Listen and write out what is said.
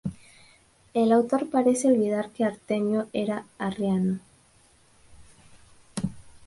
El autor parece olvidar que Artemio era arriano.